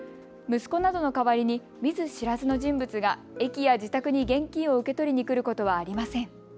息子などの代わりに見ず知らずの人物が駅や自宅に現金を受け取りに来ることはありません。